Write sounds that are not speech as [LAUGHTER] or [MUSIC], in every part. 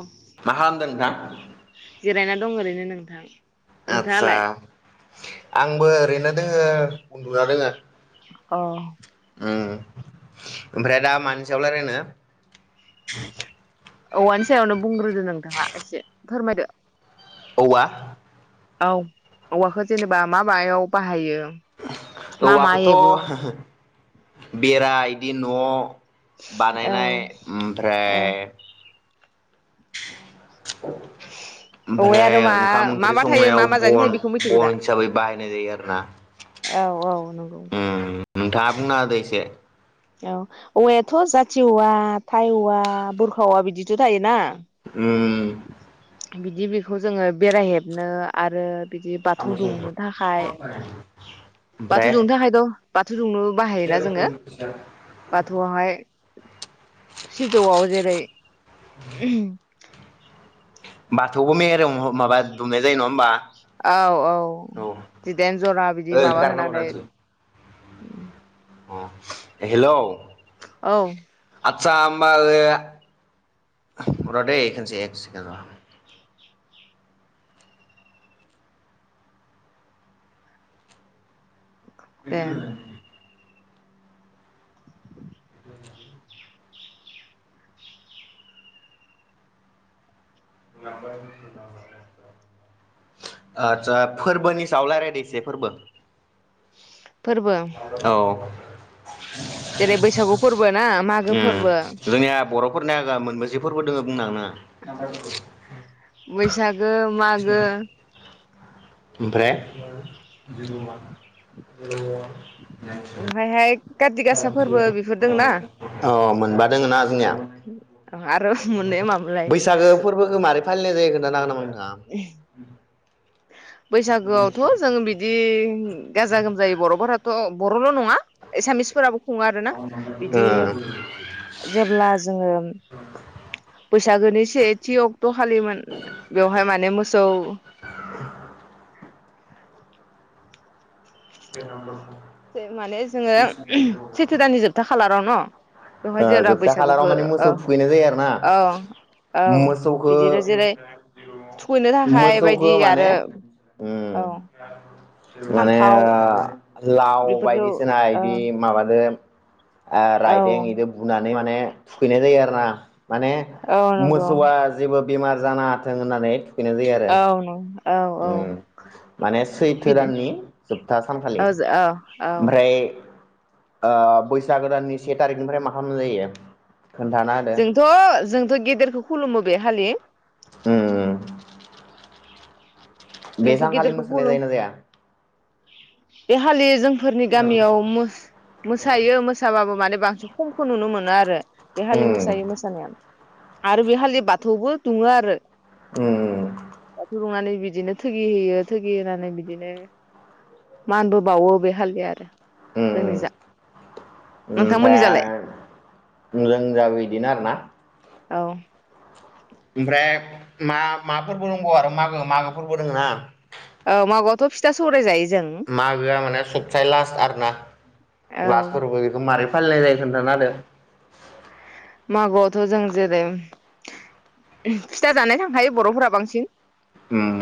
औ मा खालामदों नोंथां जिरायना दं ओरैनो नोंथां आदसा नोंथाङालाय? आंबो ओरैनो दोङो उन्दुना दोङो अह ओम ओमफ्राय दा मानि सायाव लायरायनो औवानि सायावनो बुंग्रोदो नों नोंथाङा एसे फोरमायदो औवा औ औवाखौ जेनेबा मा मायाव बाहायो मा मायोबो औवाखौथ' औ [UNINTELLIGIBLE] बेराय बि न' बानायनाय ओमफ्राय औ [INAUDIBLE] औवाया ओमफ्राय आरो मा ओंखाम मा ओंख्रि मा थायो मा संनायाव मा जानो बन थायो बेखौ मिथिगौ बन दा? हिसाबै बाहायनाय जायो आरोना औ औ नंगौ उम नोंथाङा बुंना होदो एसे औ औवायाथ' जाथि औवा थाइ औवा बुरखा औवा बिदिथ' थायोना ओम बिदि बेखौ जोङो बेरा हेबनो आरो बिदि बाथौ दुमनो थाखाय ओमफ्राय बाथौ दुमनो थाखायथ' बाथौ दुमनोबो बाहायोना जोङो बाथ'आवहाय सिजौआव जेरै [UNINTELLIGIBLE] बाथौबो मेरं औ औ जिदाइन जरा बिदि ओइ माबा गारना हर होनानै दानसै उम अ हेलौ औ आदसा होमबा ओ रदै खेनसे एक सेकेण्ड र' दे [UNINTELLIGIBLE] [UNINTELLIGIBLE] आदसा फोरबोनि सायाव रायलायदो एसे फोरबो फोरबो औ जेरै बैसागु फोरबो ना मागो उम फोरबो जोंनिया [UNINTELLIGIBLE] मोनबेसे फोरबो दोङो बुंनो [UNINTELLIGIBLE] बैसागो [UNINTELLIGIBLE] ओमफ्राय जिर' वान [UNINTELLIGIBLE] ओमफायहाय अ मोनबा दोङो ना जोंनिया आरो मोननै मामोनलाय बैसागो फोरबोखो मारै फालिनाय जायो खोनथानो हागोन नामा नोंथाङा? [UNINTELLIGIBLE] बैसागोआवथ' जों बिदि गाजा गोमजायो बरफोराथ' बर' नङा एसामिसफोराबो खुङो आरोना ओ बिदि जेब्ला जोङो बैसागोनि सेथियाव दखालिमोन बेवहाय माने मोसौ [INAUDIBLE] [INAUDIBLE] माने जोङो सैथो दाननि जोबथा खालाराव न बेवहाय ओ जेब्ला जोबथा खालाराव बैसागुखो माने मोसौ ओ थुखैनाय जायो आरो ना ओं औ मोसौखो बिदिनो जेरै थुखैनो थाखाय बायदि मोसौखो माने आरो औ उम माने फान्थाव लाव बेफोरखौ बायदिसिना औ इदि माबा ए ओ औ रायदों इदि बुना नै माने थुखैनाय जायो आरो ना। माने औ नंगौ मोसौआ जेबो बेमार जानाङाथों होननानै हैनो जायो आरो औ नंगौ औ औ माने सैथो बिदि दाननि जोब खामखालि औ औ औ ओमफ्राय ओ बैसागो दाननि से थारिखनिफ्राय मा खालामनाय जायो? खोन्थाना होदो जोंथ' जोंथ' गेदेरखौ खुलुमो बे खालि। उम बे जोंथ' सानखालि गेदेरखौ मोसानाय खुलुम जायो ना जाया? बे हालि जों फोरनि गामियाव मोस-मोसायो मोसाबाबो माने बां खमखौ नुनो मोनो आरो। बे खालि उम मोसायो मोसानाया। आरो बे हालि बाथौबो दुङो आरो। उम दाथ' रङालि बिदिनो थगि होयो थगि होनानै बिदिनो मानबो बावो बे हालिया आरो ओम जोंनि ओम जा नोंथांमोननि जालाय ओमफ्राय मोजांजाबो बिदिनो आरो ना औ ओमफ्राय मा मा फोरबो दंबावो आरो मागो मागो फोरबो दङ ना औ मागोआथ' फिथा सौराय जायो जों मागोआ माने सबसे लास्ट आरो ना औ लास्ट फोरबो बेखौ मारै फालिनाय जायो खोनथा होदो मागोआवथ' जों जेरै फिथा जानाय थांखायो बर'फोरा बांसिन ओम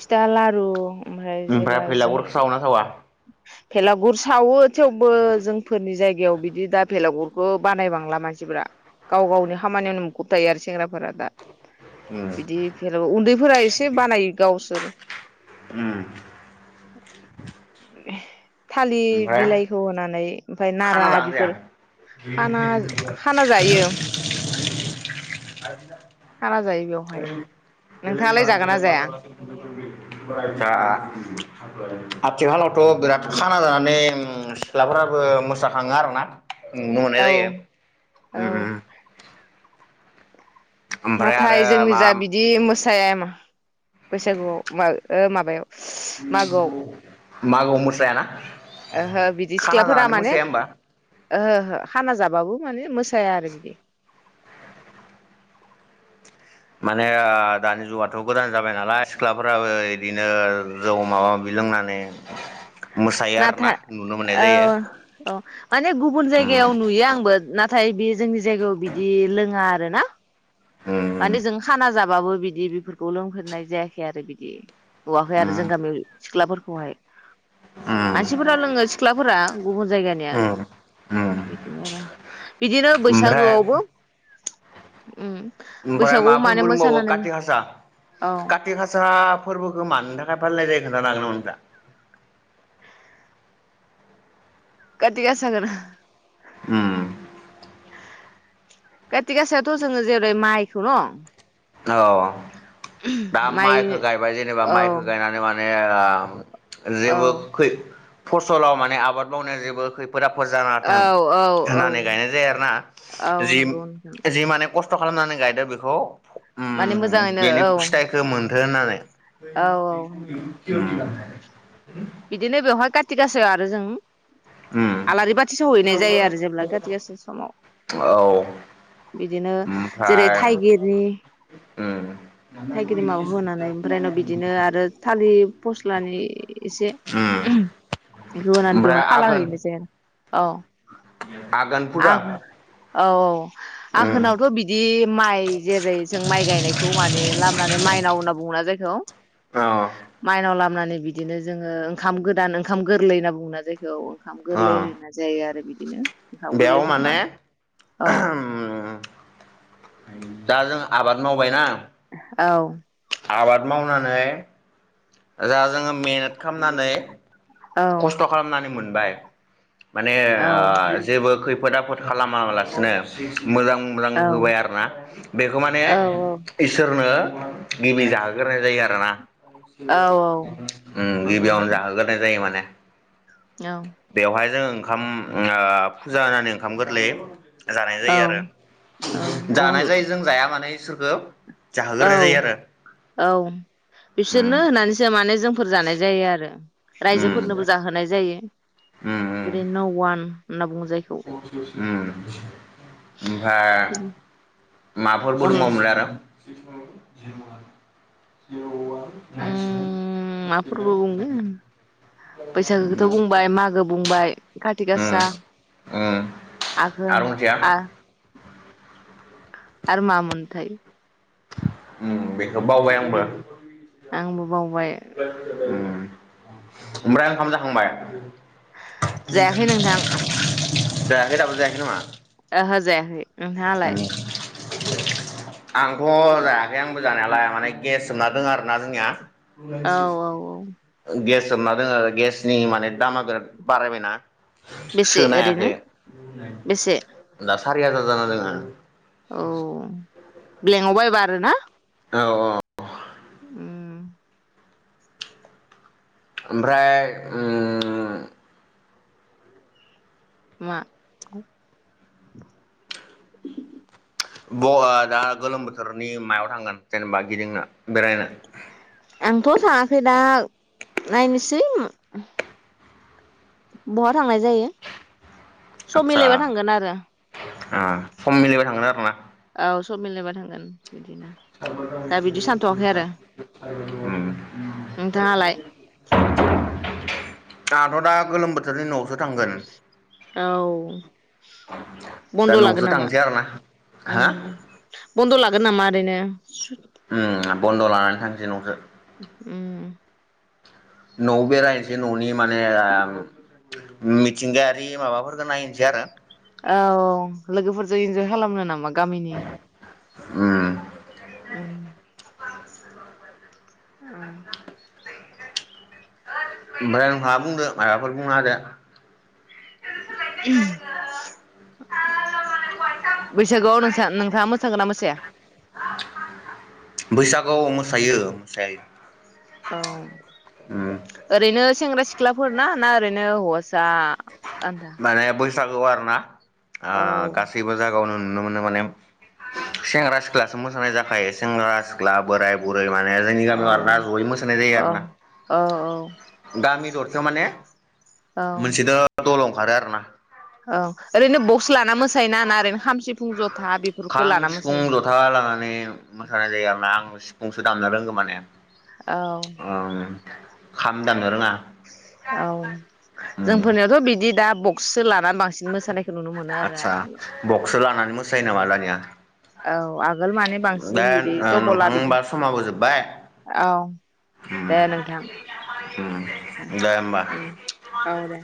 फिथा लारु ओमफ्राय फैलागुरखौ सावो ना सावा भेलागुुर सावो थेवबो जोंफोरनि जायगायाव बिदि दा भेलागुर खौ बानायबांला मानसिफोरा गाव गावनि खामानियावनो मुखुब थायो आरो सेंग्राफोरा दा उम बिदि फेल' उन्दैफोरा एसे बानाय गाव [UNINTELLIGIBLE] उम [UNINTELLIGIBLE] थालिर ओमफ्राय बिलाइखौ होनानै ओमफ्राय खाना नारा जाना बेफोर जाया खाना खाना जायो खाना जायो बेवहाय नोंथाङालाय जागोन ना जाया [UNINTELLIGIBLE] आथिखालावथ' बिराद खाना जानानै ओ सिख्लाफ्राबो मोसा जाखाङो‌ आरोना नुनो मोननाय औ जायो औ ओम ओम नाथाय जोंनि जा माबा बिदि मोसा जायामा बैसागुआव मा ओ माबायाव मागोआव [UNINTELLIGIBLE] मागोआव मोसायाना ओहो बिदि खाना सिख्लाफोरा जानानै माने मोसाया होमबा ओहो ओहो खाना जाबाबो माने मोसाया आरो बिदि माने ओ दानि जुगाथ' गोदान जाबाय नालाय सिख्लाफोराबो बिदिनो जौ माबा माबि लोंनानै मोसायो आरोना नाथा नुनो मोननाय ओ जायो अ माने गुबुन ओम जायगायाव नुयो आंबो ना नाथाय बे जोंनि जायगायाव बिदि लोङा आरो ना ओम माने जों खाना जा बाबो बिदि बेफोरखौ लोंफेरनाय जायाखै आरो बिदि औवाखै आरो जों ओम गामियाव सिख्लाफोरखौहाय ओम मानसिफोरा लोङो सिख्लाफोरा गुबुन जायगानिया। ओम बिदिनो ओमफ्राय बैसागोआवबो उम ओमफ्राय बैसागुआव माबा माने फोरबो दंबावो मोसानानै काति हासा औ काति हासा फोरबोखौ मानि थाखाय फालिनाय जायो। खोनथानो हागोन नामा नोंथां। काति गासा ओम काति गासायावथ' जोङो जेरै माइखौ न औ दा माइ माइखौ गायबाय जेनेबा औ माइखौ गायनानै माने [UNINTELLIGIBLE] औ जेबो खै फसलाव माने आबाद मावनाय जेबो खै [UNINTELLIGIBLE] आफोद जानाङाथों औ औ औ होननानै गायनाय जायो आरोना औ जि नंगौ नोंथां जि माने खस्थ' थ खालामनानै गायदों बेखौ। माने मोजाङैनो औ। औ औ [UNINTELLIGIBLE] नंगौ ओम बिदिनो बेवहाय काटि गासायाव आरो जों उम आलारि बाथि सावहैनाय जायो आरो जेब्ला काति गासा समाव। उम औ बिदिनो जेरै ओमफ्राय थाइगिरनि उम थाइगिर माबा होनानै ओमफ्राय उनाव बिदिनो आरो थालिर फस्लानि ए एसे ओम उम [UNINTELLIGIBLE] ओमफ्राय बेवहाय खाला आघोन हैनोसै आं औ आघोन आ फुजा औ औ उम आघोनावथ बिदि माइ जेरै जों माइ गाय बेखौ माने लाबोनानै माइनाव होनना बुङोना जायखौ। औ माइनावला नानै बिदिनो जोङो ओंखाम गोदान ओंखाम गोरलै होनना बुंना जायखो औ ओंखाम ओ गोरलै होना जायो आरो बिदि [UNINTELLIGIBLE] बेयाव माने ओम दा जों आबाद मावबायना औ [UNINTELLIGIBLE] आबाद माव नानै जा जोङो मेेनट खामनानै औ खस्थ' खालामनानै मोनबाय माने औ ओ जेबो खैफोद [UNINTELLIGIBLE] खालामालासिनो मोजां मोजां औ होबाय आरोना बेखौ माने औ इसोरनो गिबि जागोरनाय जायो आरो ना औ ओम नंगौ गिबियावनो नोंथां जाहोग्रोनाय जायो माने औ बेवहाय जों ओंखाम ओ फुजा होननानै ओंखाम गोरलै जानाय औ जायो आरो औ जानाय जायो जों जाया माने इसोरखौ औ जाहोग्रोनाय जायो आरो औ उम बिसोरनो होनानैसो माने जों फोर जानाय जायो आरो उम रायजोफोरनोबो जाहोनाय जायो जेरै न' वान ना बुङो जायखौ [UNINTELLIGIBLE] ओमफाय माफोर अन [UNINTELLIGIBLE] आरो [UNINTELLIGIBLE] [UNINTELLIGIBLE] ओम मा फोरबो बुंगोन बैसागोखौथ' उम बुंबाय मागो बुंबाय कारति गासा उम आघोन आरो मोनसेया आर आरो मामोनथाय उम बेखौ बावबाय आंबो आंबो बावबाय ओम आमफ्राय ओंखाम जाखांबाय [UNINTELLIGIBLE] जायाखै नोंथां बेहा दाबो जायाखै नामा आहो जायाखै नोंथाङालाय आंथ' जायाखै आंबो जानायालाय माने गेस जोबना दों आरोना जोंनिया औ औ औ गेस होबना दङो गेसनि माने दामा बिराद बारायबायना? बेसे सोनो ओरैनो हायाखै। बेसे सारि हाजार जाना दोङो। औ ब्लेंङाव बायबा आरो ना? औ औ उम ओमफ्राय उम मा? ब दा गोलोम बोथोरनि मायाव थांगोन जेनेबा गिदिंनो बेरायनो? आंथ' सानाखै दा नायनोसै। बहा थांनाय जायो सम आदसा मिलायबा थांगोन आरो। ओ सम मिलायबा थांगोन आरो ना? औ सम मिलायबा थांगोन। बिदिनो उम दा बिदि सानथ'वाखै आरो नोंथाङालाय आंहाथ' दा गोलोम बोथोरनि न'आवसो थांगोन औ दा बन्द' लागोन न'आवसो नामा थांसै आरोना हो उम बन्द' ला? हागोन नामा ओरैनो? उम बन्द' लानानै थांसै न'सो उम न'आव बेरायनोसै न'नि माने मिथिंगायारि माबाफोरखौ नायनोसै आरो। औ लोगोफोरजों इन्जय खालामनो नामा? गामिनि उम उम उम ओमफ्राय नोंहा बुंदो माबाफोर बुंना होदो। बैसागुआव नोंसा-नोंथाङा मोसागोना मोसाया? बैसागोआव मोसायो मोसायो। औ उम ओरैनो सेंग्रा सिख्लाफोर ना ना ओरैनो हौवासा? जा आदा बैसागोआव आरो ना आ गासैबो जागायावनो नुनो मोनो माने सेंग्रा सिख्लासो मोसानाय जाखायो सेंग्रा सिख्ला बोराय बुर माने जोंनि गामियाव औ आरो ना ज'यै मोसानाय जायो औ आरोना औ दानि [UNINTELLIGIBLE] माने मोनसे औ दा दल अंखारो आरो ना। औ ओरैनो बक्स लाना मोसायो ना ओरैनो खाम सिफुं जथा बेफोरखो खाम लाना सिफुं मोसायो? जथा लानानै मोसानाय जायो आरोना आं सिफुंसो दामनो रोंगो माने। औ खामदांनो रोङा औ ओम जोंफोरनियावथ' बिदि दा बक्ससो ला ना बांसिन मोसानायखौ नुनो मोनो आरो आथिखालाव। सायो नामा दानिया? औ आगोल माने दा बांसिन बिदि ओ टबला नोंथां बिदि होमबा समाबो जोब्बाय औ ओम दे नोंथां ओम दे होमबा औ दे।